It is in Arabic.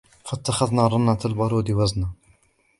فاتخذنا رنة البارود وزنا